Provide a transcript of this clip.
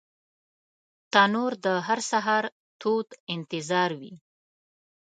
تنور د هر سهار تود انتظار وي